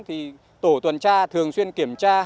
thì tổ tuần tra thường xuyên kiểm tra